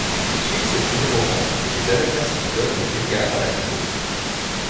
Suivent ses premiers romans et des adaptations d'œuvres d'Edgar Allan Poe.